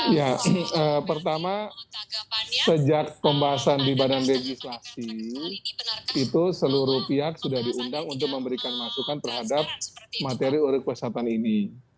ya pertama sejak pembahasan di badan legislasi itu seluruh pihak sudah diundang untuk memberikan masukan terhadap materi urik persyatan ini